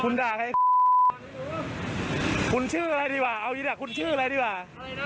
คุณด่าใครคุณชื่ออะไรดีกว่าเอาจริงแหละคุณชื่ออะไรดีกว่าอะไรนะ